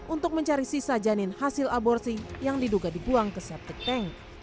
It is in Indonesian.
untuk mencari sisa janin hasil aborsi yang diduga dibuang ke septic tank